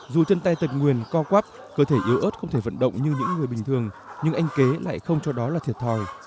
dù chân tay tật nguyền cop cơ thể yếu ớt không thể vận động như những người bình thường nhưng anh kế lại không cho đó là thiệt thòi